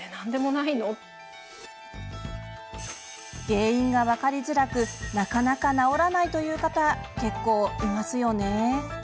原因が分かりづらくなかなか治らないという方結構、いますよね。